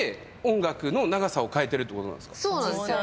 そうなんですよ。